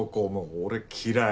俺嫌い。